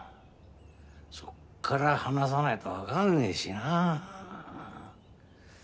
そこから話さないとわかんねえしな。